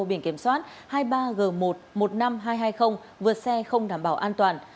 biển kiểm soát hai mươi ba g một một mươi năm nghìn hai trăm hai mươi vượt xe không đảm bảo an toàn